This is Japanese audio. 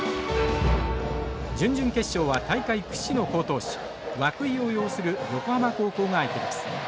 準々決勝は大会屈指の好投手涌井を擁する横浜高校が相手です。